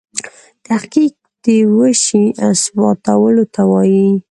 تحقیق دیوه شي اثباتولو ته وايي.